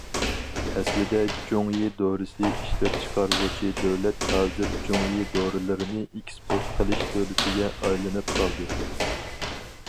ئەسلىدە جۇڭيى دورىسى ئىشلەپچىقارغۇچى دۆلەت ھازىر جۇڭيى دورىلىرىنى ئېكسپورت قىلىش دۆلىتىگە ئايلىنىپ قالدى.